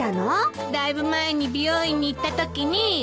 だいぶ前に美容院に行ったときに。